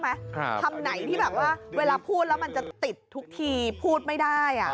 คำไหนที่เวลาพูดจากมันติดทุกทีพูดไม่ได้